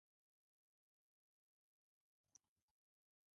It was therefore, no surprise, that he accepted the tenets of Positivism.